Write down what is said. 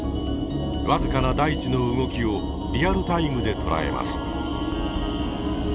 僅かな大地の動きをリアルタイムで捉えます。